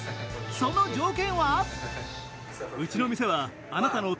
その条件は？